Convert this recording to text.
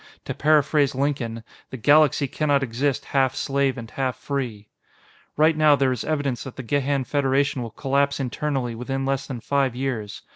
To paraphrase Lincoln, 'The galaxy cannot exist half slave and half free.' "Right now, there is evidence that the Gehan Federation will collapse internally within less than five years.